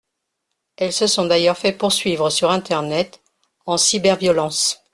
Elles se sont d’ailleurs fait poursuivre sur internet en cyberviolence.